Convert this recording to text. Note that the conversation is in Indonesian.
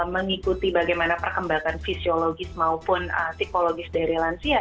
mengikuti bagaimana perkembangan fisiologis maupun psikologis dari lansia